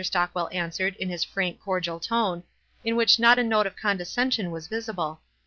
Stockwell answered, in his frank, cordial tone*, in which not a note of condescension was visible.